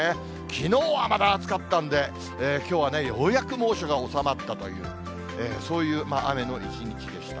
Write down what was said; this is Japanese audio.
きのうはまだ暑かったんで、きょうはね、ようやく猛暑が収まったという、そういう雨の一日でした。